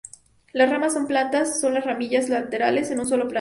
Las ramas son planas, con las ramillas laterales en un solo plano.